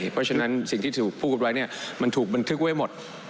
เพราะฉะนั้นสิ่งที่ถูกพูดไว้มันถูกบันทึกไว้หมด